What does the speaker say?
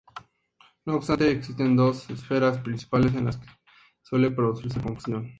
No obstante, existen dos esferas principales en las que suele producirse confusión.